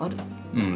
うん。